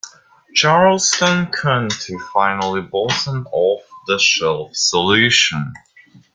Charleston County finally bought an off the shelf solution.